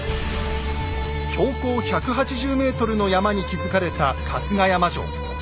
標高１８０ｍの山に築かれた春日山城。